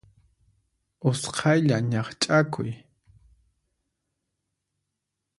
Usqhaylla ñaqch'akuy.